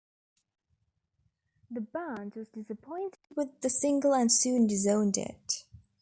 The band was disappointed with the single and soon disowned it.